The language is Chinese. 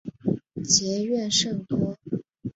结怨甚多。